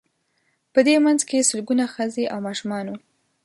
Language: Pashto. په دې منځ کې سلګونه ښځې او ماشومان وو.